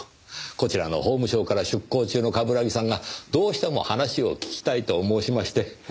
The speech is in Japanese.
こちらの法務省から出向中の冠城さんがどうしても話を聞きたいと申しまして。